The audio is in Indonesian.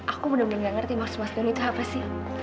aku bener bener nggak ngerti maksud mas doni itu apa sih